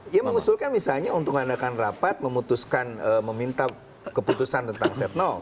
ya mengusulkan misalnya untuk mengadakan rapat memutuskan meminta keputusan tentang setnom